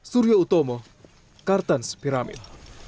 surya utomo kartens pyramid